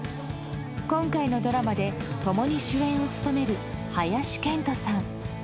今回のドラマで共に主演を務める林遣都さん。